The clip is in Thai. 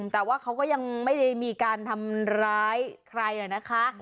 แต่ว่าเขาก็ยังไม่ได้มีการทำร้ายใครนะคะ